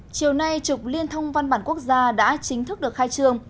chiều nay trục liên thông văn bản quốc gia đã chính thức được khai trương